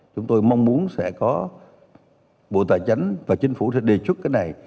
chúng tôi mong muốn sẽ có bộ tài chánh và chính phủ sẽ đề xuất cái này